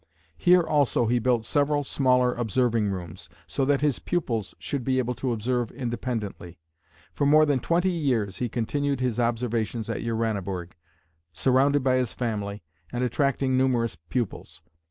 Here also he built several smaller observing rooms, so that his pupils should be able to observe independently. For more than twenty years he continued his observations at Uraniborg, surrounded by his family, and attracting numerous pupils.